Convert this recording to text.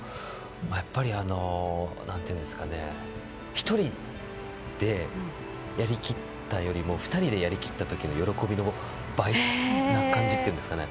やっぱり１人でやりきったよりも２人でやりきった時の喜びが倍な感じっていうんですかね。